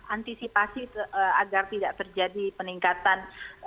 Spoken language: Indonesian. antisipasi agar tidak terjadi peningkatan